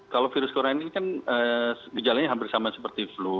kalau virus corona ini kan gejalanya hampir sama seperti flu